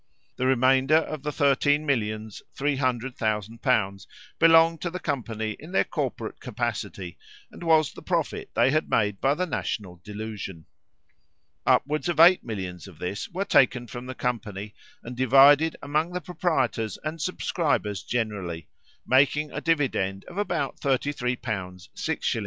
The remainder of thirteen millions three hundred thousand pounds belonged to the company in their corporate capacity, and was the profit they had made by the national delusion. Upwards of eight millions of this were taken from the company, and divided among the proprietors and subscribers generally, making a dividend of about 33l. 6s. 8d.